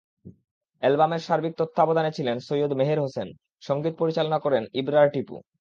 অ্যালবামের সার্বিক তত্ত্বাবধানে ছিলেন সৈয়দ মেহের হোসেন, সংগীত পরিচালনা করেন ইবরার টিপু।